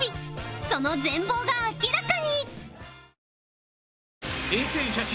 その全貌が明らかに！